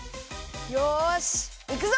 よしいくぞ！